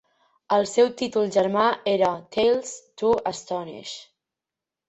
El seu títol germà era "Tales to Astonish".